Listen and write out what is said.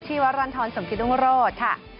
วรรณฑรสมกิตรุงโรธค่ะ